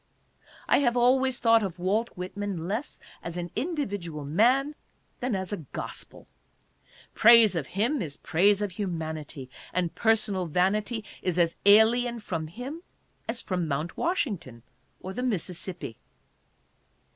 I have always thought of Walt Whitman less as an individual man than as i gospel. Praise of him is praise of humanity, and personal vanity is as alien from him as from Mt. Washington or the Mississippi.